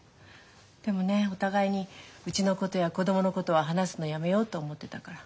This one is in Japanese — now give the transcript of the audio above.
でもねお互いにうちのことや子供のことは話すのやめようって思ってたから。